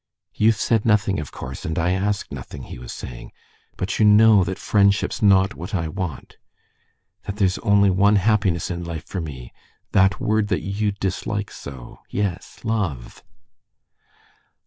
"You've said nothing, of course, and I ask nothing," he was saying; "but you know that friendship's not what I want: that there's only one happiness in life for me, that word that you dislike so ... yes, love!..."